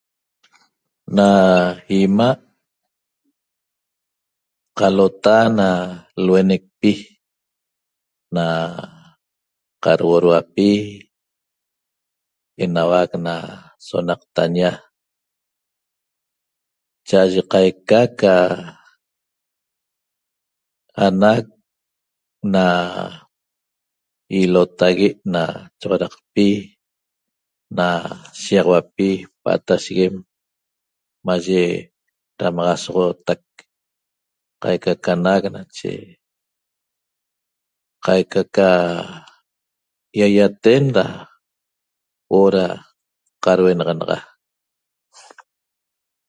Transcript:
Na 'ima' qalota na luenecpi na qaduodauapi enauac na sonaqtaña cha'aye qaica ca anac na ilotague' na choxodaqpi na shiýaxauapi pa'atasheguem maye damaxasoxootac qaica ca anac nache qaica ca ýaýaten da huo'o da qadhuenaxanaxa